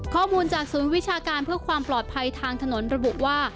ข้อมูลจากศูนย์วิชาการเพื่อความปลอดภัยทางถนนระบุว่า